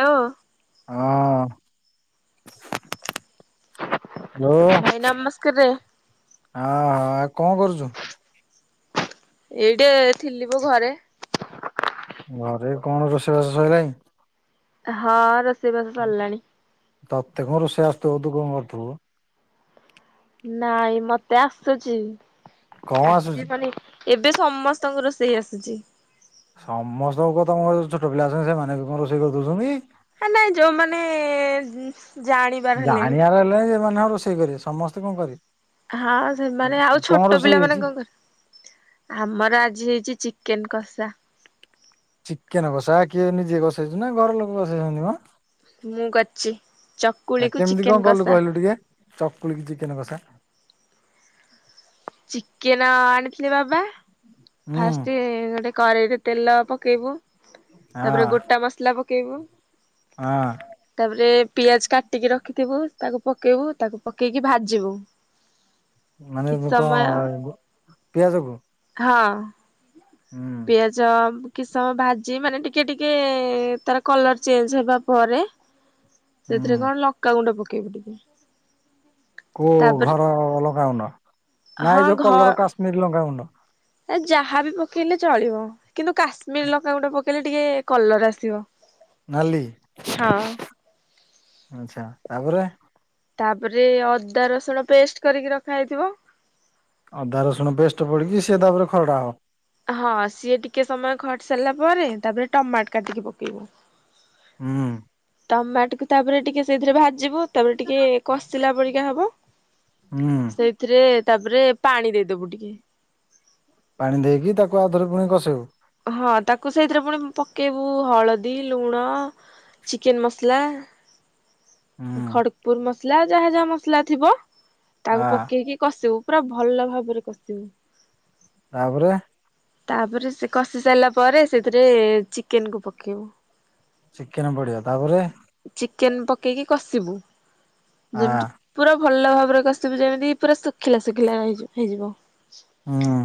Hello. ହଁ। ଯୋଉ ଭାଇ ନମସ୍କାରେ ଆ ଆଉ କଣ କରୁଛୁ? ଏଇଠେ ଥିଲି ମ ଘରେ। ଘରେ କଣ ରୋଷେଇବାସ ସଇଲାଇଁ। ହଁ ରୋଷେଇ ବାସ ସରିଲାଣି। ତତେ କଁ ରୋଷେଇ ଆସୁଥିବ ତୁ କଁ କରୁଥିବୁ? ନାଇଁ ମତେ ଆସୁଛି। କଣ ଆସୁଛି? ଆସିବିନି। ଏବେ ସମସ୍ତଙ୍କୁ ରୋଷେଇ ଆସୁଛି। ସମସ୍ତଙ୍କୁ କଁ ତମ ଘରେ ଛୋଟ ପିଲା ଅଛନ୍ତି ସେମାନେ ବି କଁ ରୋଷେଇ କରି ଦଉଛନ୍ତି? ଏ ନାଇ ଯୋଉମାନେ ଉଁ। ଜାଣିବାର ହେଲେ ଯୋଉମାନେ ହଁ ରୋଷେଇ କରିବେ ସମସ୍ତେ କଁ କରିବେ। ହଁ ସେମାନେ ଆଉ କଣ ଛୋଟ ରୋଷେଇ ପିଲା ମାନେ ହେଇଛି? କଁ କରିବେ? ଆମର ଆଜି ହେଇଛି ଚିକେନ କଷା। ଚିକେନ କଷା କିଏ, ନିଜେ କସେଇ ଛୁ ନା ଘର ଲୋକ କସେଇ ଛନ୍ତି ମ? ମୁଁ କରିଛି, ଆ ଚକୁଳିକୁୁ କେମିତି କଣ ଚିକେନ କଲୁ କଷା। କହିଲୁ ଟିକେ? ଚକୁଳିକି କି ଚିକେନ କଷା। ଚିକେନ ଆଣିଥିଲେ ବାବା ହୁଁ ଫାଷ୍ଟ ଗୋଟେ। କରେଇରେ ତେଲ ପକେଇବୁ। ତାପରେ ହଁ ଗୋଟା ମସଲା ପକେଇବୁ। ହଁ ତାପରେ ପିଆଜ କାଟିକି ରଖିଥିବୁ ତାକୁ ପକେଇବୁ ତାକୁ ପକେଇକି ଭାଜିବୁ। ମାନେ କିଛି ମୁ କଁ ସମୟ ପିଆଜ କୁ। ହଁ ପିଆଜ। କିଛି ସମୟ ଭାଜି ମାନେ ଟିକେ ଟିକେ ତାର କଲର ଚେଞ୍ଜ ହେବା ପରେ। ସେଇଥିରେ ହୁଁ କଣ ଲଙ୍କାଗୁଣ୍ଡ ପକେଇବୁ ଟିକେ। କୋଉ ତାପରେ ଘର ଲଙ୍କା ଗୁଣ୍ଡ ନା ହଁ ଏ ଯୋଉ ଘ କଲର କାଶ୍ମୀର ଲଙ୍କା ଗୁଣ୍ଡ। ଏ ଯାହା ବିି ପକେଇଲେ ଚଳିବ। କିନ୍ତୁ କାଶ୍ମୀର ଲଙ୍କା ଗୁଣ୍ଡ ପକେଇଲେ ଟିକେ କଲର ଆସିବ। ନାଲି, ହଁ ଆଛା ତାପରେ ତାପରେ ଅଦା ରସୁଣ ପେଷ୍ଟ କରିକି ରଖା ହେଇଥିବ। ଅଦା ରସୁଣ ପେଷ୍ଟ ପଡିକି ସିଏ ତାପ ରେ ଖରଡ଼ା ହବ। ହଁ ସିଏ ଟିକେ ସମୟ ଖଟି ସାରିଲା ପରେ, ତାପରେ ଟମାଟ କାଟିକି ପକେଇବୁ। ହୁଁ। ଟମାଟକୁ ତାପରେ ଟିକିଏ ସେଇଥିରେ ଭାଜିବ, ତାପରେ ଟିକେ କଷିଲା ପରିକା ହବ। ହୁଁ। ସେଇଥିରେ ତାପରେ ପାଣି ଦେଇଦବୁ ଟିକେ। ପାଣି ଦେଇକି ତାକୁ ଆଉଥରେପୁଣି କସେଇଉ। ହଁ ତାକୁ ସେଇଥିରେ ପୁଣି ପକେଇବୁ ହଳଦୀ, ଲୁଣ ଚିକେନ ମସଲା ହୁଁ ଖଡପୁର ମସଲା, ଯାହା ଯାହା ମସଲା ଥିବ ଆ ତାକୁ ପକେଇକି କଷିବୁ ପୁରା ଭଲ ଭାବରେ କଷିବୁ। ତାପରେ? ତାପରେ, ସେ କଷି ସାରିଲା ପରେ ସେଥିରେ ଚିକେନକୁ ପକେଇବୁ। ଚିକେନ ପଡିବ, ତାପରେ? ଚିକେନ ପକେଇକି କଷିବୁ, ଆ ଯେମିତି ପୁରା ଭଲ ଭାବରେ କସିବୁ ଯେମିତି ପୁରା ଶୁଖିଲା ଶୁଖିଲା ହେଇଯି ହେଇଯିବ। ହୁଁ।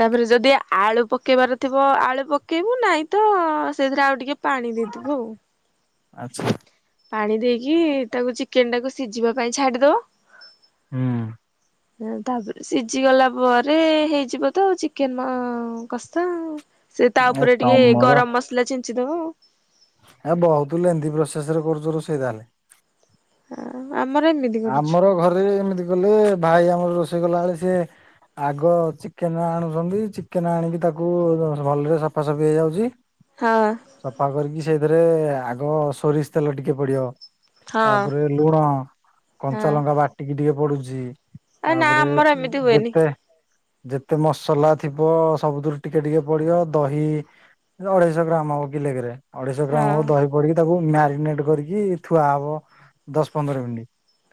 ତାପରେ ଯଦି ଆଳୁ ପ କେଇବାର ଥିବ ଆଳୁ ପକାଇବୁ ନାଇଁ ତ ସେଥିରେ ଆଉ ଟିକେ ପାଣି ବି ହଉ। ଆଚ୍ଛା ପାଣି ଦେଇକି ତାକୁ ଚିକେନ ଟାକୁ ସିଝିବା ପାଇଁ ଛାଡିଦବ। ହୁଁ। ତାପରେ ସିଝି ଗଲା ପରେ ହେଇଯିବ ତ ଚିକେନ କସ, ସେ ତା ଏ ଉପରେ ଟିକେ ତମର ଗରମ ମସଲା ଛିଞ୍ଚିଦବ ଆଉ। ଏ ବହୁତ ଲେନ୍ନ୍ଦି ପ୍ରୋସେସ ରେ କରୁଛ ସେଇ ତାହେଲେ। ଆ ଆମର ଏମିତି। କରୁଛୁ। ଆମର ଘରେ ଏମିତି କଲେ ଭାଇ ଆମର ରୋଷେଇ କଲାବେଳେ ସେ ଆଗ ଚିକେନ ଆଣୁଛନ୍ତି, ଚିକେନ ଆଣିକି ତାକୁ ଭଲରେ ସଫାସଫି ହେଇଯାଉଛି। ହଁ। ସଫା କରିକି ସେଇଥିରେ ଆଗ ସୋରିଷ ତେଲ ଟିକେ ପଡିବ। ହଁ ତାପରେ ଲୁଣ। କଞ୍ଚା ହଁ ଲଙ୍କା ବାଟିକି ଟିକେ ପଡୁଛି, ଆ ନା ତାପରେ ଆମର ଏମିତି ହୁଏନି ଯେତେ ଯେତେ ମସଲା ଥିବ ସବୁଥିରୁ ଟିକେ ଟିକେ ପଡିବ, ଦହି ଏ ଅଢ଼େଇଶହ ଗ୍ରାମ ହବ କିିଲେକେରେ। ଅଢେଇଶହ ହଁ ଗ୍ରାମ ହବ, ଦହି ପଡିକି ତାକୁ ମ୍ୟାରିନେଟ କରିକି ଥୁଆ ହବ ଦଶ ପନ୍ଦର ମିନିଟ।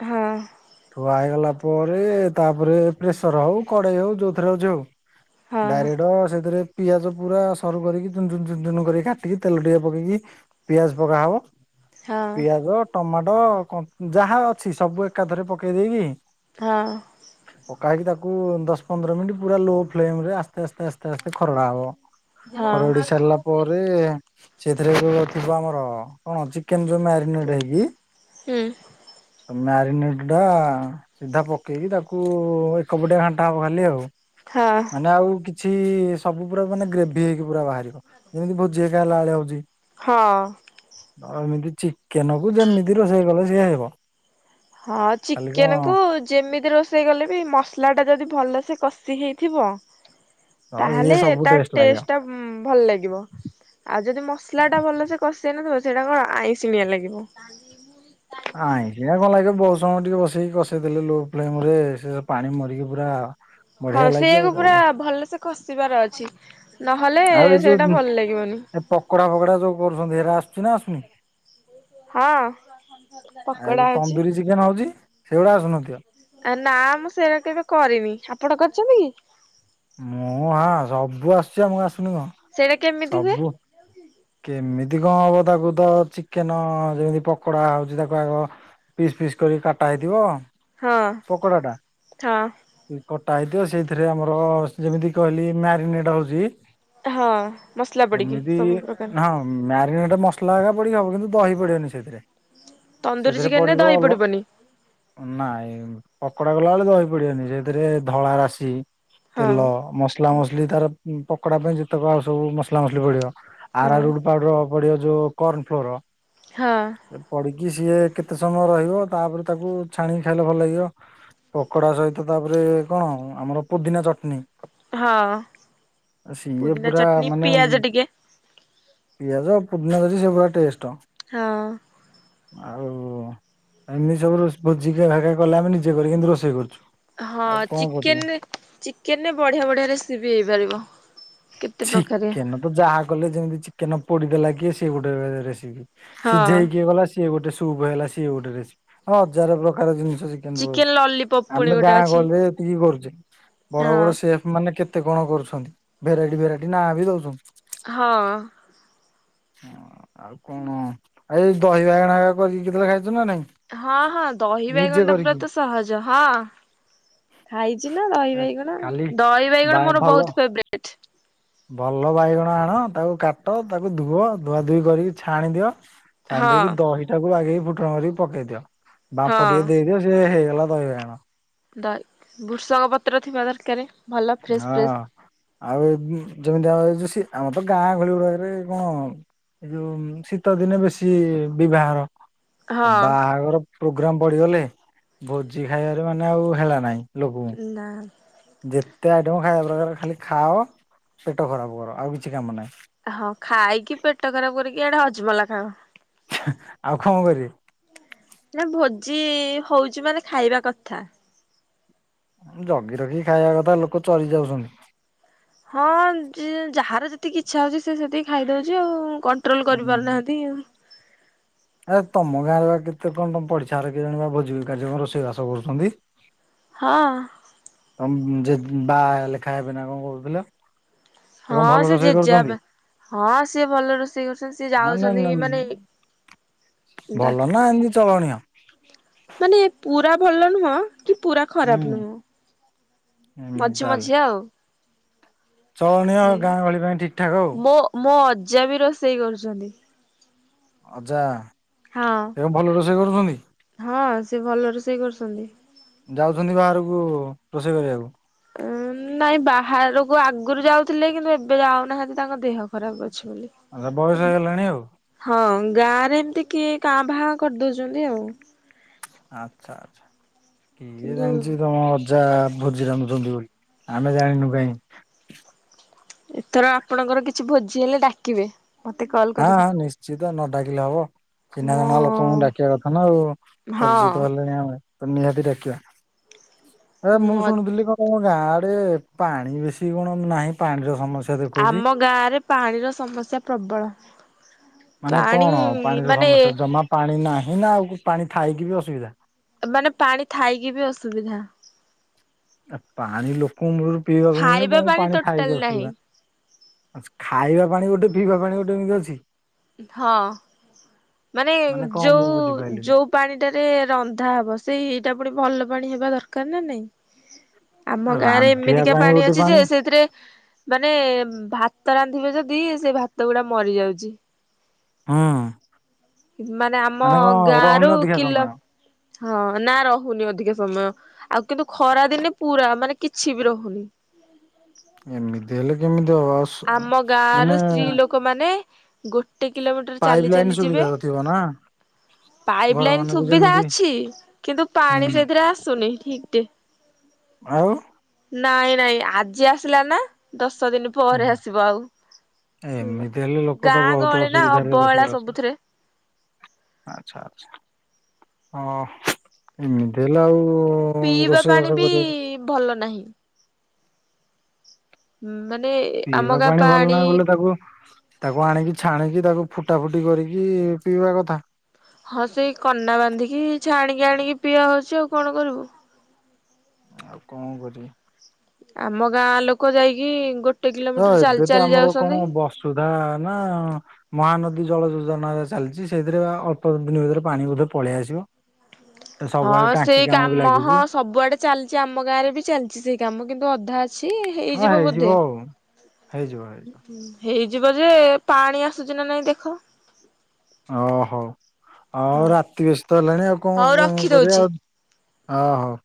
ହଁ। ଧୁଆ ହେଇଗଲା ପରେ ତାପରେ ପ୍ରେସର ହଉ କଡେଇ ହଉ ଯୋଉଥିରେ ହଉଛି ହଉ। ହଁ ଡାଇରେଡ ସେଥିରେ ପିଆଜ ପୁରା ସରୁ କରିକି ଚୁନ ଚୁନ ଚୁନ ଚୁନ କରିକି କାଟିକି ତେଲ ଟିକେ ପକେଇକି ପିଆଜ ପକାହବ। ହଁ ପିଆଜ ଟମାଟୋ କ ଯାହା ଅଛି ସବୁ ଏକାଥରେ ପକେଇ ଦେଇେଇକି ହଁ। ପକା ହେଇକି ତାକୁ ଦଶ ପନ୍ଦର ମିନିଟ୍ ପୁରା ଲୋ ଫ୍ଲେମ ରେ ଆସ୍ତେ ଆସ୍ତେ ଆସ୍ତେ ଆସ୍ତେ ଆସ୍ତେ ଖରଡା ହବ ଖରଡି ସାରିଲା ହଁ ପରେ ସେଥିରେ ଯୋଉ ଥିବ ଆମର କଣ ଚିକେନ ଯୋଉ ମ୍ୟାରିନେଟ ହେଇକି ହୁଁ। ମ୍ୟାରିନେଡ ଟା ସିଧା ପକେଇକି ତାକୁ ଏକପଟଆ ଘାଣ୍ଟା ହବ ଖାଲି ଆଉ। ହଁ। ମାନେ ଆଉ କିଛି ସବୁ। ପୁରା ମାନେ ଗ୍ରେଭି ହେଇକି ପୁରା ବାହାରିକ ଯେମିତି ଭୋଜି ଖାଇଲାଳି ହଉଛି। ହଁ। ଆଉ ଏମିତି ଚିକେନ କୁ ଯେମିତି ରୋଷେଇ କଲେ ସିଏ ହେବ। ହଁ ଖାଲି କଣ ଚିକେନ କୁ ଯେମିତି ରୋଷ ଷେଇ ଗଲେ ବି ମସଲା ଟା ଯଦି ଭଲସେ କଷି ହେଇଥିବ ହଁ ସିଏ ତାହଲେ ସବୁ ତା ଟେଷ୍ଟ ଲାଗିବ। ଟେଷ୍ଟଟା ଭଲ ଲାଗିବ। ଆଉ ଯଦି ମସଲା ଟା ଭଲସେ କଷିନଥିବ ସେଇଟା କଣ ଆଇଁସିିଣିଆ ଲାଗିବ। ଆଇଁସିଣିଆ କଣ ଲାଗିବ ବହୁତ ସମୟ ଟିକେ ବସେଇକି କଷେଇ ଦେଲେ ଲୋ ଫ୍ଲେମ ରେ ସେ ପାଣି ମରିକି ପୁରା ହଁ ବଢିଆ ଲାଗିବ ସେୟାକୁ ଆଉ ପୁରା କଣ ଭଲ ସେ ଖସିବାର ଅଛି। ନହେଲେ ଆଉ ଏଇ ସେଇଟା ଯୋଉ ଭଲ ଲାଗିବନି ଏ ପକଡା ଫକଡା ଯୋଉ କରୁଛନ୍ତି ସେରା ଆସୁଛି ନା ଆସୁନି। ହଁ ପକୋଡା ଆଉ ହଉଛି। ତନ୍ଦୁୁରୀ ଚିକେନ ହଉଛି ସେଗୁଡା ଆସୁନଥିବ। ନା ମୁଁ ସେଇଟା କେବେ କରିନି ଆପଣ କରିଛନ୍ତି କି? ମୁଁ ହଁ ସବୁ ଆସୁଛି ଆ ମୁଁ ଆସୁନି କଣ? ସେଇଟା କେମିତି ହୁଏ? ସବୁ କେମିତି କଣ ହବ ତାକୁ ତ ଚିକେନ ଯେମିତି ପକୋଡା ହଉଛି ତାକୁ ଆଗ ପିସ୍ ପିସ୍ କରିକ କାଟା ହେଇଥିବ ହଁ ପକୋଡାଟା। ହଁ କଟା ହେଇଥିବ ସେଇଥିରେ ଆମର ଯେମିତି କହିଲି ମ୍ୟାରିନେଟ୍ ହଉଛି ହଁ ମସଲା ପଡିକି ସେମିତି ସବୁ ପ୍ରକାର ହଁ ମ୍ୟାରିନେଟା ମସଲା ଆଗା ପଡିକି ହବ କିନ୍ତୁ ଦହି ପଡିବନି ସେଥିରେ। ତନ୍ଦୁରୀ ସେଥିରେ ଚିକେନରେ ପଡିବ ଦହି ଅଲ ପଡିବନି ନାଇଁ ପକୋଡା ଗଲା ବେଳେ ଦହି ପଡିବନି ସେଥିରେ ଧଳା ରାଶି ତେଲ ହଁ। ମସଲା ମସଲି ତାର ପକୋଡା ପାଇଁ ଯେତେକ ଆଉ ସବୁ ମସଲା ମସଲି ପଡିବ। ହଁ ଆରାରୁଡ ପାଉଡର ପଡିବ ଯୋଉ କର୍ଣ୍ଣଫ୍ଲୋର। ହଁ। ପଢିକି ସିଏ କେତେ ସମୟ ରହିବ ତାପରେ ତାକୁ ଛାଣିକି ଖାଇଲେ ଭଲ ଲାଗିବ। ପକୋଡା ସହିତ ତାପରେ କଣ ଆମର ପୋଦିନା ଚଟଣି। ହଁ ସିଇଏ ପୁଦିନା ପୁରା ଚଟଣି ମାନେ ପିଆଜ ଟିକେ ପିଆଜ ଆଉ ପୁଦିନା [unintelligible] ସେ ପୁରା ଟେଷ୍ଟ। ହଁ। ଆଉ ଏମିତି ସବୁ [unintelligible] କଲେ ଆମେ ନିଜେ କରିକି ଏ ମିତି ରୋଷେଇ କରଛୁ। ହଁ ଚିକେନ ଚିକେନରେ ବଢିଆ ବଢିଆ ରେସିପି ହେଇପାରିବ। କେତେ ପ୍ରକାରିଆ ଚିକେନ ତ ଯାହା କଲେ ଯେମିତି ଚିକେନ ପୋଡି ଦେଲା କିଏ ସେ ଗୋଟେ ରେସିପି। ହଁ ସିଝେଇକିଏ ଗଲା ସିଏ ଗୋଟେ ସୁପ୍ ହେଲା ସିଏ ଗୋଟେ ରେସିପି ହଜାର ପ୍ରକାର ଜିନିଷ ଚିକେନ [unintelligible] ଲଲିପପ୍ ପୁଣି ଆମେ ଗୋଟେ ଗାଁ ଅଛି ଗଲେ କି କରୁଛି ବଡ ହଁ ବଡ ସେଫ୍ ମାନେ କେତେ କଣ କରୁଛନ୍ତି ଭେରାଇଟ୍। ଭେରାଇଟି ନା ବି ଦଉଛନ୍ତି। ହଁ। ଆଉ କଣ ଏ ଦହି ବାଇଗଣ ହା କରିକି କେତେବେଳେ ଖାଇଛ ନା ନାଇଁ? ହଁ ହଁ ଦହି ନିଜେ ବାଇଗଣଟା ପୁରା କରିକି ତ ସହଜ ହଁ। ଖାଇଛି ନା ଦହି ବାଇଗଣ କାଲି ଦହି ବା ବାଇଗଣ ମୋର ଭଲ ବହୁତ ଫେବରେଟ। ଭଲ ବାଇଗଣ ଆଣ ତାକୁ କାଟ ତାକୁ ଧୁଅ ଧୁଆ ଧୁଇ କରିକି ଛାଣି ଦିଅ। ଛାଣି ହଁ ଦେଇକି ଦହିଟାକୁ ଆଗେଇ ଫୁଟଣ କରିକି ପକେଇ ଦିଅ। ବାମ୍ପ ହଁ ଟିକେ ଦେଇଦିଅ ସି ହେଇଗଲା ଦହି ବାଇଣ। ଦ ବୃଷଙ୍ଗ ପତ୍ର ଥିବା ଦରକାର। ଭଲ ଫ୍ରେଶ ହଁ। ଫ୍ରେଶ ଆଉ ଏ ଯେମିତି ଆ ଏ ଯଉ ଆମ ତ ଗାଁ ଗହଳି ରହି ରହି କଣ ଏଇ ଯୋଉ ଶୀତ ଦିନେ ବେଶୀ ବିବାହର ହଁ ବାହାଘର ପ୍ରୋଗ୍ରାମ ପଡିଗଲେ ଭୋଜି ଖାଇବାରେ ମାନେ ଆଉ ହେଳା ନାହିଁ। ନା ଲୋକଙ୍କୁ ଯେ ତେ ଆଇଟମ ଖାଇବା ପ୍ରକାର ଖାଲି ଖାଅ ପେଟ ଖରାପ କର ଆଉ କିଛି କାମ ନାହିଁ। ହଁ ଖାଇକି ପେଟ ଖରାପ କରିକି ଇଆଡେ ହଜମଲା ଖାଅ। ଆଉ କଣ କରିବେ? ନା ଭୋଜି ହଉଛି ମାନେ ଖାଇବା କଥା। ଜଗି ରଖି ଖାଇବା କଥା ଲୋକ ଚରି ଯାଉଛନ୍ତି। ହଁ ଯାହାର ଯେତିକି ଇଛା ହଉଛି ସେ ସେତିକି ଖାଇଦଉଛି ଆଉ କନ୍ ଟ୍ରୋଲ ହୁଁ କରିପାରୁନାହାନ୍ତି ଆଉ। ଏ ତମ ଗାଁରେ ବା କେତେ କଣ ପଡିଶା ଘରେ କିଏ ଜଣିବା ଭୋଜି କାର୍ଯ୍ୟକ୍ରମ ରୋଷେଇବାସ କରୁଛନ୍ତି? ହଁ। ତ ଯେ ବା ଲେଖା ହେବେନା କଣ କହୁଥିଲ ସେ କଣ ହଁ ଭଲ ସେ ରୋଷେଇ ଜେଜେବାପା କରୁଛନ୍ତି? ହଁ ସିଏ ଭଲ ରୋଷେଇ କରୁଛନ୍ତି ସିଏ ମାନେ ଯାଉଛନ୍ତି ମାନେ ଡା ଭଲ ନା ଏମିତି ଚଳଣିଅ? ମାନେ ପୁରା ଭଲ ନୁହଁ। କି ପୁରା ଖରାପ ହୁଁ ନୁହଁ। ଏମିତି ମଝି ମଝି ଆଉ। ଚଳଣିୟ ଆଉ ସି ଗାଁ ଗହଳି ପାଇଁ ଠିକ୍ ଠାକ୍ ଆଉ। ମୋ ମୋ ଅଜା ବି ରୋଷେଇ କରୁଛନ୍ତି। ଅଜା। ହଁ ସେ କଣ ଭଲ ରୋଷେଇ କରୁଛନ୍ତି? ହଁ ସେ ଭଲ ରୋଷେଇ କରୁଛନ୍ତି। ଯାଉଛନ୍ତି ବାହାରକୁ ରୋଷେଇ କରିବାକୁ? ଉଁ ନାଇଁ ବାହାରକୁ ଆଗରୁ ଯାଉଥିଲେ କିନ୍ତୁ ଏବେ ଯାଉନାହାନ୍ତି ତାଙ୍କ ଦେହ ଖରାପ ଅଛି ବୋଲି। ଆ ବୟସ ହେଇଗଲାଣି ଆଉ। ହଁ ଗାଁ ରେ ଏମିତି କିଏ କାଁ ଭା କରିଦଉଛନ୍ତି ଆଉ। ଆଚ୍ଛା ଆଛା କି କିନ୍ତୁ ଜାଣିଛି ତମର ଜା ଭୋଜି ରାଧୁଛନ୍ତି ବୋଲି ଆମେ ଜାଣିନୁ କାହିଁ। ଏଥର ଆପଣଙ୍କର କିଛି ଭୋଜି ହେଲେ ଡାକିବେ। ମତେ କଲ୍ ହଁ କରିକି ହଁ ନିଶ୍ଚିତ ନ ଡାକିଲେ ହବ। ଚିହ୍ନା ମୋ ଜଣା ଲୋକଙ୍କୁ ଡାକିବା କଥା ନା ଆଉ ହଁ ପରିଚିତ ହେଲେଣି ଆମେ। ତ ନିହାତି ଡାକିବା ଏରେ ମୁଁ ମୋ ଶୁଣୁଥିଲି କଣ ତମ ଗାଁ ଆଡେ ପାଣି ବେଶୀ କଣ ନାହିଁ ପାଣିର ସମସ୍ୟା। ଦେଖଉଛି। ଆମ ଗାଁରେ ପାଣିର ସମସ୍ୟା ପ୍ରବଳ। ମାନେ ପାଣି କଣ ପାଣିର ମାନେ ସମସ୍ୟା ଜମା ପାଣି ନାହିଁ ନା ଆଉ ପାଣି ଥାଇକି ବି ଅସୁବିଧା? ମାନେ ପାଣି ଥାଇକି ବି ଅସୁବିଧା। ପାଣି ଲୋକଙ୍କୁ ମୂଳରୁ ପିଇବାକୁ ମିଳନି ଖାଇବା ତମକୁ ପାଣି ଟୋଟାଲ ଖାଇକି ନାହିଁ ଅସୁବିଧା। ଖାଇବା ପାଣି ଗୋଟେ ପିଇବା ପାଣି ଗୋଟେ ଏମିତି ଅଛି? ହଁ ମାନେ କଣ ମୁଁ ଯଉ ବୁଝିପାରିଲିନି। ଯଉ ପାଣି ଟାରେ ରନ୍ଧା ହବ ସେଇ ଏଇଟା ପୁଣି ଭଲ ପାଣି ହେବା ଦରକାର ନା ନାଇଁ। ଆମ ଗାଁ ରେ ରାନ୍ଧିବା ଏମିତିକା ପାଇଁ ପାଣି ଗୋଟେ ଅଛି ଯେ ସେଥିରେ ମାନେ ଭାତ ରାନ୍ଧିବେ ଯଦି ସେ ଭାତ ଗୁଡା ମରି ଯାଉଚି। ହଁ। ମାନେ ଆମ ଗାଁ ରୁ ରହୁନି ଅଧିକା କିଲୋ ସମୟ ହଁ ନା ରହୁନି ଅଧିକ ସମୟ ଆଉ କିନ୍ତୁ ଖରା ଦିନେ ପୁରା ମାନେ କିଛି ବି ରହୁନି। ଏମିତି ହେଲେ କେମିତି ହବ? ସୁ ଆମ ଗାଁ ମାନେ ରୁ ସ୍ତ୍ରୀ ଲୋକ ମାନେ ଗୋଟ ଟେ କିଲୋମିଟର ପାଇପ୍ ଚାଲି ଲାଇନ ଚାଲି ଯିବେ। ସୁବିଧା ତ ଥିବ ନା ପାଇପ ଘର ଲାଇନ ମାନଙ୍କୁ ସୁବିଧା ଯେମିତି ଅଛି କିନ୍ତୁ ପାଣି ହୁଁ ସେଥିରେ ଆସୁନି ଠିକ ଟେ। ଆଉ? ନାଇଁ ନାଇଁ ଆଜି ଆସିଲା ନା ଦଶ ଦିନ ପରେ ହୁଁ ଆସିବ ଆଉ। ସେୟା ଏମିତି ହେଲେ ଲୋକ ତ ଗାଁ ବହୁତ ଗହଳି ନା ଅସୁବିଧାରେ ଅବହେଳା ରୋଷେଇବାସ ସବୁଥିରେ। ଆଚ୍ଛା ଆଛା। ହଁ ଏମିତି ହେଲେ ଆଉ ପିଇବା ରୋଷେଇବାସ ପାଣି ବି କରିବା ଭଲ ନାହିଁ। ହୁଁ ମାନେ ଆମ ପିଇବା ଗାଁ ପାଣି ଭଲ ନାହିଁ ବୋଲେ ତାକୁ ତାକୁ ଆଣିକି ଛାଣିକି ତାକୁ ଫୁଟା ଫୁଟି କରିକି ପିଇବା କଥା। ହଁ ସେଇ କନା ବାନ୍ଧିକି ଛାଣିକି ଆଣିକି ପିଆ ହଉଚି ଆଉ କଣ କରିବୁ। ଆଉ କଣ କରିବା? ଆମ ଗାଁ ଲୋକ ଯାଇକି ଗୋଟ ହ ଏବେ ତ ଆମର କଣ ବସୁଧା ନା ମହାନଦୀ ଜଳ ଯୋଜନା ଚାଲିଚି ସେଇଥିରେ ବା ଅଳ୍ପ ଦିନି ଭିତରେ ପାଣି ବୋଧ ପଳେଇଆସିବ। ହଁ ସେଇ କାମ ହଁ ଲାଗୁଛି ସବୁଆଡେ ଚାଲିଚି। ଆମ ଗାଁ ରେ ବି ଚାଲିଚି ସେଇ କାମ କିନ୍ତୁ ଅଧା ଛି ହଁ ହେଇଯିବ ବୋଧେ। ଆଉ ହେଇଯିବ ହେଇଯିବ ହେଇଯିବ ଯେ ପାଣି ଆସୁଚି ନା ନାଇଁ ଦେଖ। ଓହୋ ଆଉ ହଁ। ରାତି ବେଶି ତ ହେଲାଣି ଆଉ କଣ ହଉ କଣ କରିବା ରଖିଦଉଛି ଆଉ। ହଁ ହଉ।